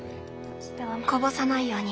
こぼさないように。